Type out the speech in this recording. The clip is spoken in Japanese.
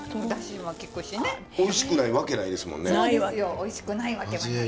おいしくないわけはない。